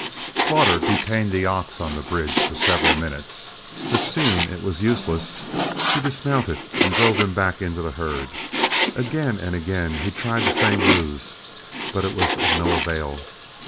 Slaughter detained the ox on the bridge for several minutes, but seeing it was useless, he dismounted and drove him back into the herd. Again and again he tried the same ruse, but it was of no avail.